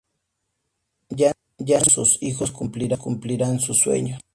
Ya ancianos, sus hijos cumplirán sus sueños.